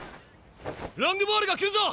ロングボールが来るぞ！